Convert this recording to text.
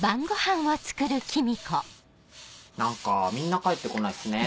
何かみんな帰ってこないっすね。